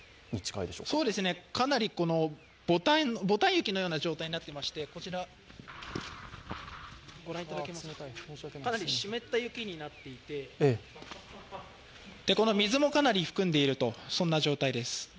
かなり、ぼたん雪のような状態になっていまして、こちらご覧いただけますか、かなり湿った雪になっていて、この水もかなり含んでいるとそんな状態です。